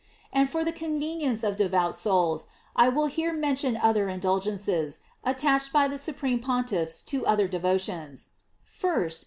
And for the convenience of devout souls, I will here mention other indulgences, attached by th« Sovereign Pontiffs to other devotions: 1st.